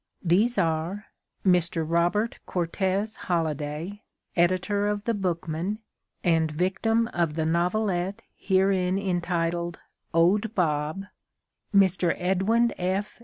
These are Mr. Robert Cortes Holliday, editor of The Bookman and victim of the novelette herein entitled "Owd Bob"; Mr. Edwin F.